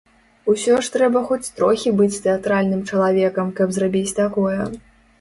Усё ж трэба хоць трохі быць тэатральным чалавекам, каб зрабіць такое.